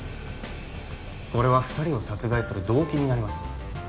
これは２人を殺害する動機になります。